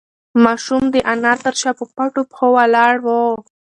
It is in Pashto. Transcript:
ماشوم د انا تر شا په پټو پښو ولاړ و.